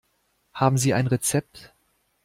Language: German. Haben Sie ein Rezept?